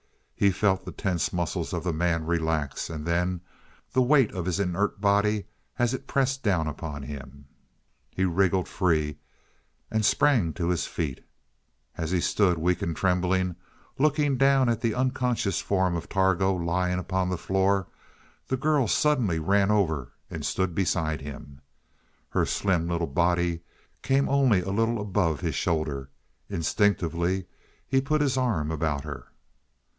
He felt the tense muscles of the man relax, and then the weight of his inert body as it pressed down upon him. He wriggled free, and sprang to his feet. As he stood weak and trembling, looking down at the unconscious form of Targo lying upon the floor, the girl suddenly ran over and stood beside him. Her slim little body came only a little above his shoulder; instinctively he put his arm about her.